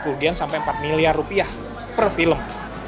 kerugian sampai empat miliar rupiah per film